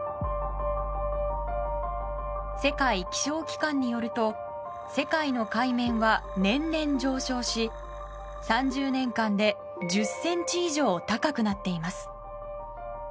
世界気象機関によると世界の海面は年々上昇し３０年間で１０ｃｍ以上高くなっています。